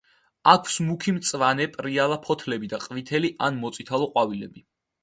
აქვს მუქი მწვანე, პრიალა ფოთლები და ყვითელი ან მოწითალო ყვავილები.